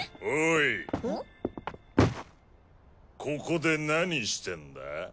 ここで何してんだ？